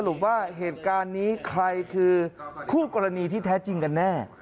ว่าเหตุการณ์นี้ใครคือคู่กรณีที่แท้จริงกันแน่